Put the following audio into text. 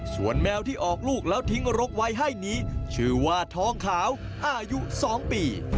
ส่วนแมวที่ออกลูกแล้วทิ้งรกไว้ให้นี้ชื่อว่าทองขาวอายุ๒ปี